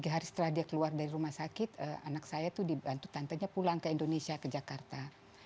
tiga hari setelah dia keluar dari rumah sakit anak saya itu dibantu tantenya pulang ke indonesia ke jakarta